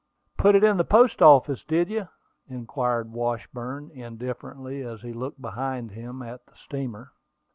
"Put it in the post office, did you?" inquired Washburn, indifferently, as he looked behind him at the steamer.